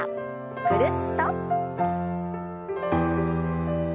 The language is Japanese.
ぐるっと。